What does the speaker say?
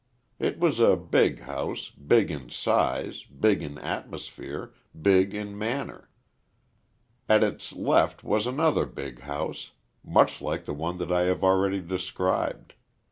It was a big house big in size big in atmosphere big in manner. At its left there was another big house, much like the one that I have already described.